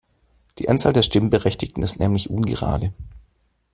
Die Anzahl der Stimmberechtigten ist nämlich ungerade.